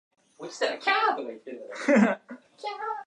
あなたに会いたい